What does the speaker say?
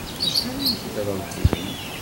Acḥal ay teddreḍ din?